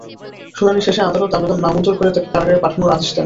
শুনানি শেষে আদালত আবেদন নামঞ্জুর করে তাঁকে কারাগারে পাঠানোর আদেশ দেন।